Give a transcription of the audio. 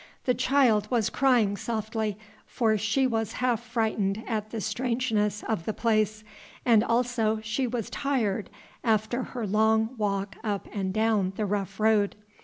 The child was crying softly, for she was half frightened at the strangeness of the place, and also she was tired after her long walk up and down the rough road.